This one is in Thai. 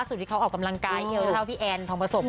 สินค้าออกกำลังกายเยอะเท่าพี่แอ็นนทองประสบ